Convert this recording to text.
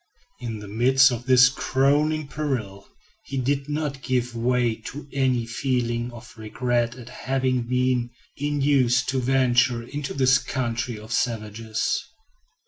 In the midst of this crowning peril he did not give way to any feeling of regret at having been induced to venture into this country of savages.